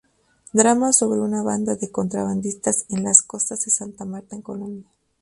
Drama sobre una banda de contrabandistas en las costas de Santa Marta, en Colombia.